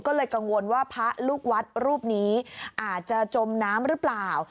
ก็เลยกังวลว่าพระลูกวัดรูปนี้อาจจะจมน้ำหรือเปล่า